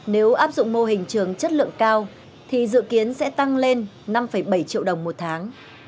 nếu áp dụng mô hình trường chất lượng cao thì dự kiến sẽ tăng lên năm bảy triệu đồng một tháng